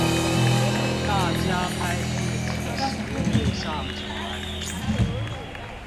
大家拍自己食物上傳